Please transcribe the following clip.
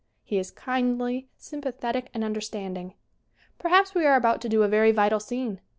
He is kindly, sympathetic and understanding. Perhaps we are about to do a very vital scene.